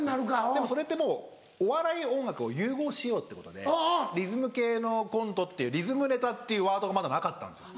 でもそれってもうお笑い音楽を融合しようってことでリズム系のコントっていうリズムネタっていうワードがまだなかったんですよ。